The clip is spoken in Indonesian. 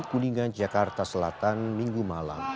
kuningan jakarta selatan minggu malam